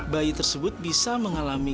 bayi tersebut bisa mengalami